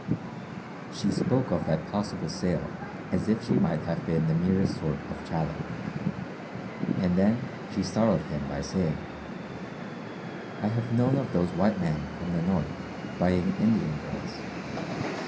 She spoke of that possible sale as if she might have been the merest sort of chattel. And then she startled him by saying: "I have known of those white men from the north buying Indian girls.